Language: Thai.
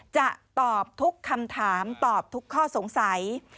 จะตอบทุกคำถามตอบทุกข้อสงสัย